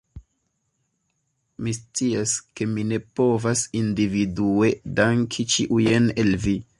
Mi scias, ke mi ne povas individue danki ĉiujn el vi